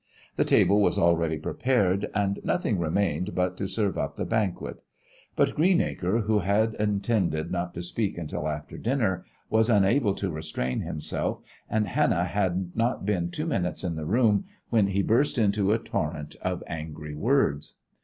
The table was already prepared, and nothing remained but to serve up the banquet. But Greenacre, who had intended not to speak until after dinner, was unable to restrain himself, and Hannah had not been two minutes in the room when he burst into a torrent of angry words.